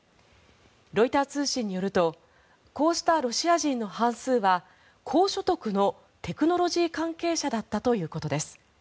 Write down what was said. ロイター通信によるとこうしたロシア人の半数は高所得のテクノロジー関係者だったということです。